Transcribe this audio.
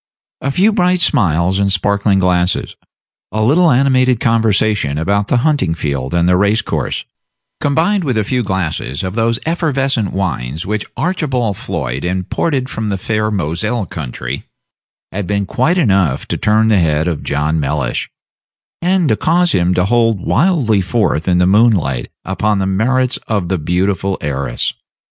Page 27 A few bright smiles and sparkling glances, a little animated conversation about the hunting field and the race course, combined with a few glasses of those effervescent wines which Archibald Floyd imported from the fair Moselle country, had been quite enough to turn the head of John Mellish, and to cause him to hold wildly forth in the moonlight upon the merits of the beautiful heiress.